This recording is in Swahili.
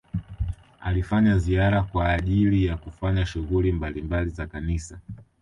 alifanya ziara kwa ajili ya kufanya shughuli mbalimbali za kanisa